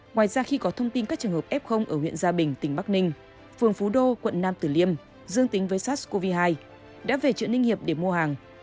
ngoài ra khi có thông tin các trường hợp f ở huyện gia bình tỉnh bắc ninh phường phú đô quận nam tử liêm dương tính với sars cov hai đã về chợ ninh hiệp để mua hàng